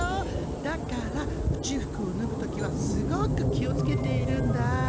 だから宇宙服をぬぐ時はすごく気をつけているんだ。